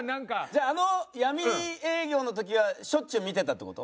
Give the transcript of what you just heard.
じゃああの闇営業の時はしょっちゅう見てたって事？